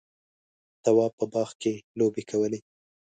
تواب په باغ کې لوبې کولې.